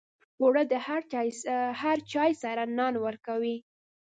اوړه د هر چای سره نان ورکوي